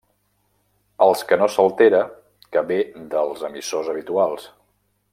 Els que no s'altera, que ve dels emissors habituals.